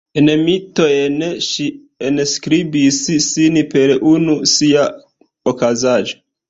En mitojn ŝi enskribis sin per unu sia okazaĵo.